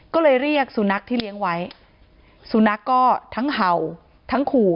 ก็เลยเรียกสุนัขที่เลี้ยงไว้สุนัขก็ทั้งเห่าทั้งขู่